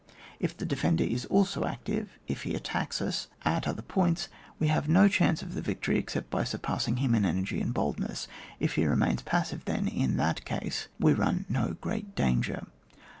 If the defender is al«o active, if he attacks us at other points, we have no chance of the victory except by surpassing him in energy and boldness. If he remains passive then, in that case, we run no great danger.